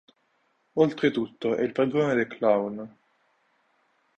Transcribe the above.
Oltretutto è il padrone del Clown.